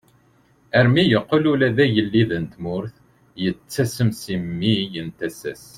Armi yeqqel ula d agellid n tmurt yettasem si mmi n tasa-s.